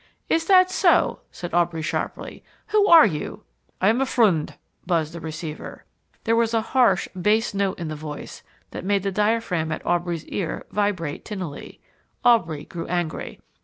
"Is that so?" said Aubrey sharply. "Who are you?" "I am a friend," buzzed the receiver. There was a harsh, bass note in the voice that made the diaphragm at Aubrey's ear vibrate tinnily. Aubrey grew angry.